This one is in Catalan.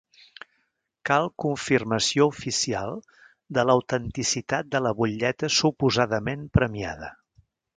Cal confirmació oficial de l'autenticitat de la butlleta suposadament premiada.